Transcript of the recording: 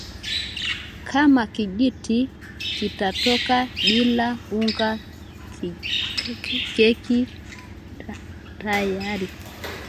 Kama kijiti kitatoka bila unga keki iko tayar